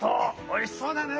おいしそうだね。